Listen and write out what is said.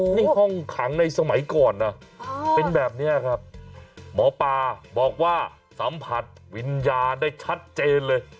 นี่ห้องขังในสมัยก่อนนะเป็นแบบนี้ครับหมอปลาบอกว่าสัมผัสวิญญาณได้ชัดเจนเลย